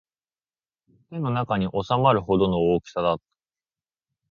手の中に収まるほどの大きさだった